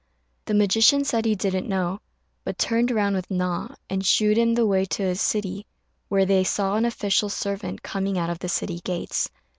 The magician said he didn't know, but turned round with Na and shewed him the way to a city where they saw an official servant coming out of the city gates.